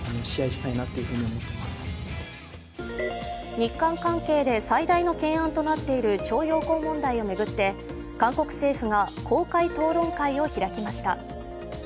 日韓関係で最大の懸案となっている徴用工問題を巡って、韓国政府が公開討論会を開きました。